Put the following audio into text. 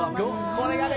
これがね